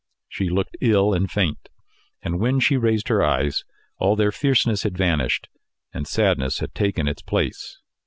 She looked ill and faint, and when she raised her eyes, all their fierceness had vanished, and sadness had taken its place.